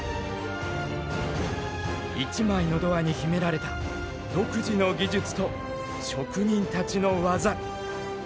１枚のドアに秘められた独自の技術と職人たちの技。